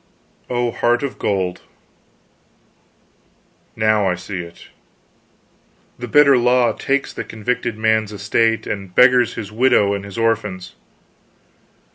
"Oh, heart of gold, now I see it! The bitter law takes the convicted man's estate and beggars his widow and his orphans.